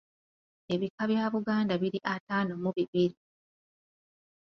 Ebika bya Buganda biri ataano mu bibiri.